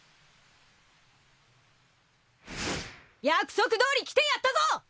約束どおり来てやったぞ！